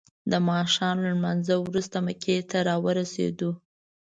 د ماښام له لمانځه وروسته مکې ته راورسیدو.